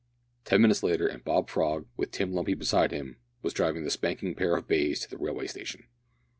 Ten minutes later, and Bob Frog, with Tim Lumpy beside him, was driving the spanking pair of bays to the railway station.